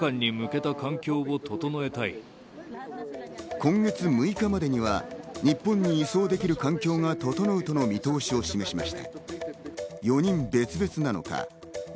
今月６日までには日本の捜査環境が整うとの見通しを示しました。